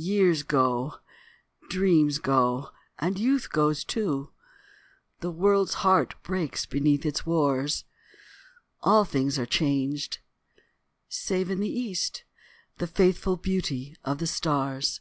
Years go, dreams go, and youth goes too, The world's heart breaks beneath its wars, All things are changed, save in the east The faithful beauty of the stars.